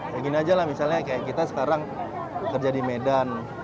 kayak gini aja lah misalnya kayak kita sekarang kerja di medan